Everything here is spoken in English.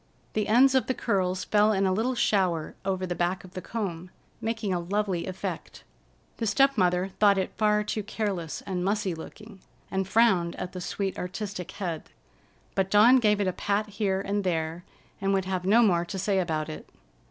The ends of the curls fell in a little shower over the back of the comb, making a lovely effect. The step mother thought it far too careless and mussy looking, and frowned at the sweet, artistic head, but Dawn gave it a pat here and there and would have no more to say about it.